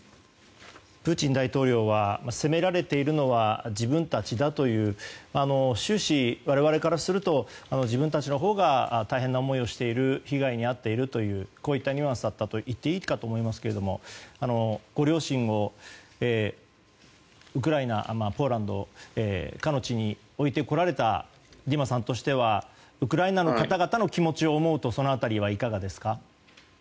プーチン大統領は攻められているのは自分たちだという終始、我々からすると自分たちのほうが大変な思いをしている被害に遭っているというニュアンスだったと言っていいかと思いますけれどもご両親をウクライナ、ポーランドかの地に置いてこられたディマさんとしてはウクライナの方々の気持ちを思うとその辺りはいかがですか。